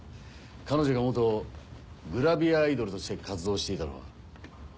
彼女が元グラビアアイドルとして活動していたのは？